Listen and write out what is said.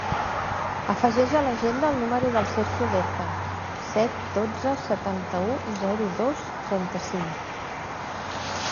Afegeix a l'agenda el número del Sergio Deza: set, dotze, setanta-u, zero, dos, trenta-cinc.